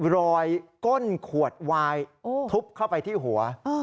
ก้นขวดวายทุบเข้าไปที่หัว